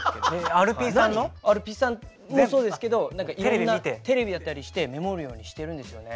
アルピーさんもそうですけどいろんなテレビだったりしてメモるようにしてるんですよね。